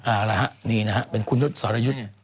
เอาละฮะนี่นะฮะเป็นคุณยศรยุทธ์